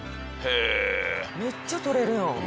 めっちゃ取れるやん。